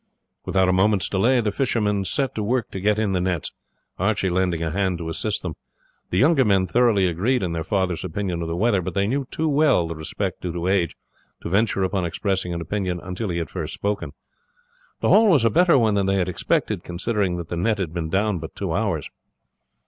Without a moment's delay the fishermen set to work to get in the nets, Archie lending a hand to assist them. The younger men thoroughly agreed in their father's opinion of the weather, but they knew too well the respect due to age to venture upon expressing an opinion until he had first spoken. The haul was a better one than they had expected, considering that the net had been down but two hours.